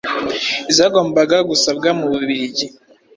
zagombaga gusabwa mu Bubiligi